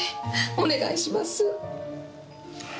お願いします。